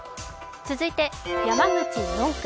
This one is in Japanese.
続いて、山口４区。